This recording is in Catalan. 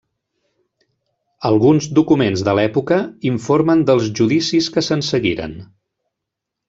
Alguns documents de l'època informen dels judicis que se'n seguiren.